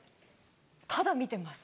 ただ見てます。